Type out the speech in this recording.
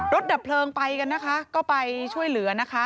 ดับเพลิงไปกันนะคะก็ไปช่วยเหลือนะคะ